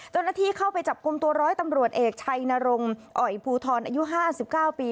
เจ้าหน้าที่เข้าไปจับกลุ่มตัวร้อยตำรวจเอกชัยนรงค์อ่อยภูทรอายุ๕๙ปี